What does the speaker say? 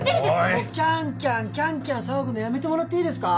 もうキャンキャンキャンキャン騒ぐのやめてもらっていいですか？